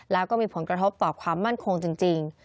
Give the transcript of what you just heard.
แล้วก็มีผลกระทบต่อความมั่นคงจริง